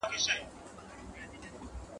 د جهان سترګي یې نه ویني ړندې دي ..